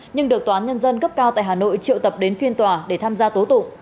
nhưng được tòa án nhân dân cấp cao tại hà nội triệu tập đến phiên tòa để tham gia tố tụng